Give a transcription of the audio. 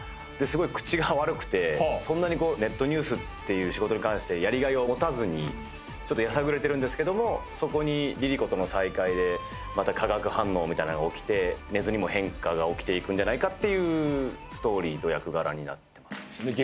ですごい口が悪くてそんなにネットニュースっていう仕事に関してやりがいを持たずにやさぐれてるんですけどもそこに凛々子との再会で化学反応みたいなのが起きて根津にも変化が起きていくんじゃないかっていうストーリーと役柄になってます。